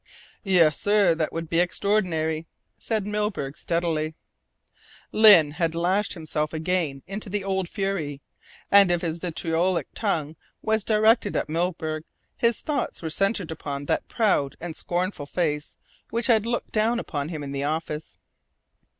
"Yes, sir, that would be extraordinary," said Milburgh steadily. Lyne had lashed himself again into the old fury, and if his vitriolic tongue was directed at Milburgh, his thoughts were centred upon that proud and scornful face which had looked down upon him in his office.